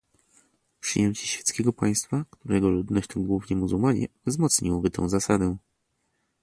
Przyjęcie świeckiego państwa, którego ludność to głównie muzułmanie, wzmocniłoby tę zasadę